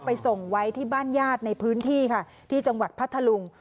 ไปส่งไว้ที่บ้านญาติในพื้นที่ค่ะที่จังหวัดพัทธลุง